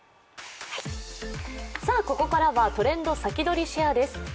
ここからは「トレンドさきどり＃シェア」です。